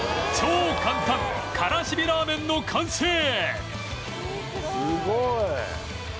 超簡単カラシビらー麺の完成